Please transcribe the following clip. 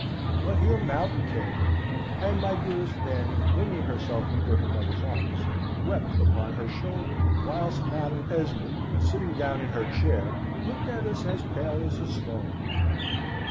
But here Mountain came in, and my dearest Fanny, flinging herself into her mother's arms, wept upon her shoulder; whilst Madam Esmond, sitting down in her chair, looked at us as pale as a stone.